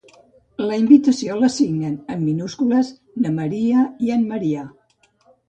La invitació la signen, en minúscules, na maria i en marià.